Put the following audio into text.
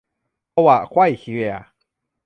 ขวะไขว่เขวี่ย